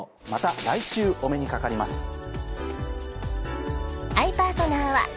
また来週お目にかかります。